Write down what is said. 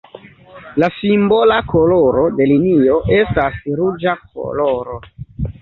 La simbola koloro de linio estas ruĝa koloro.